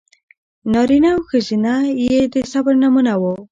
نارینه او ښځینه یې د صبر نمونه و.